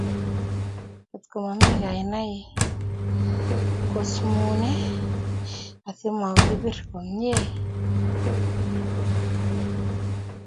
Ngotkomi kainaik kosmune asimokirib komie?